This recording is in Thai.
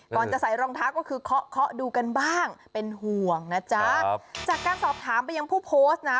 จะใส่รองเท้าก็คือเคาะเคาะดูกันบ้างเป็นห่วงนะจ๊ะครับจากการสอบถามไปยังผู้โพสต์นะ